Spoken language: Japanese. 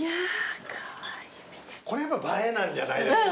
これ映えなんじゃないですか？